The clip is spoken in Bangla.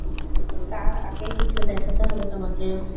তার আগে কিছু দেখাতে হবে তোমাকে।